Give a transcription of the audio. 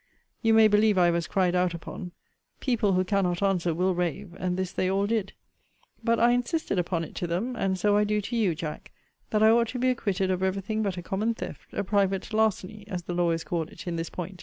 You may believe I was cried out upon. People who cannot answer, will rave: and this they all did. But I insisted upon it to them, and so I do to you, Jack, that I ought to be acquitted of every thing but a common theft, a private larceny, as the lawyers call it, in this point.